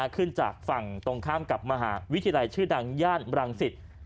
ขึ้นจากฝั่งตรงข้ามกับมหาวิทยาลัยชื่อดังย่านบรังสิต